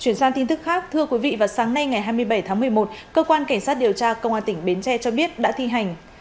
chuyển sang tin tức khác thưa quý vị vào sáng nay ngày hai mươi bảy tháng một mươi một cơ quan cảnh sát điều tra công an tỉnh bến tre cho biết đã thi hành